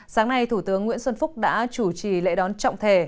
sáng nay thủ tướng nguyễn xuân phúc đã chủ trì lễ đón trọng thể